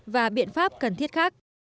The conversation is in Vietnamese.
và biện pháp cần thiết khác